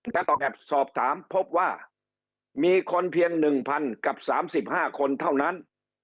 แต่ต้องแอบสอบถามพบว่ามีคนเพียง๑๐๐กับ๓๕คนเท่านั้น